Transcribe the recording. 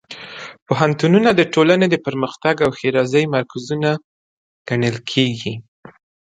پوهنتونونه د ټولنې د پرمختګ او ښېرازۍ مرکزونه ګڼل کېږي.